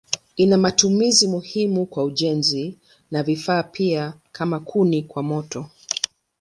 Ina matumizi muhimu kwa ujenzi na vifaa pia kama kuni kwa moto.